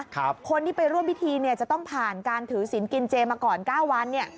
คนที่ไปร่วมพิธีเนี่ยจะต้องผ่านการถือศิลป์กินเจมาก่อนเก้าวันเนี่ย